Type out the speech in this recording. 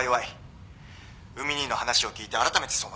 海兄の話を聞いてあらためてそう思った。